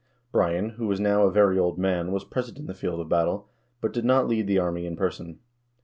Brian, who was now a very old man, was present on the field of battle, but did not lead the army in person.